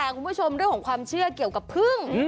คุณผู้ชมเรื่องของความเชื่อเกี่ยวกับพึ่ง